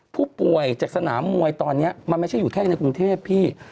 ผู้ป่วยจากสนามมวยตอนนี้มันไม่ใช่อยู่แค่ในกรุงเทพพี่